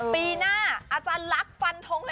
ปีหน้าอาจจะล้ักฟันทง